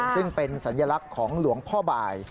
ซึ่งเป็นสัญลักษณ์ของหลวงพ่อบ่าย